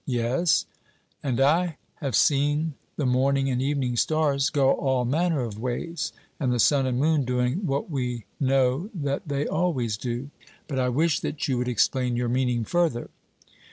'Yes; and I have seen the morning and evening stars go all manner of ways, and the sun and moon doing what we know that they always do. But I wish that you would explain your meaning further.'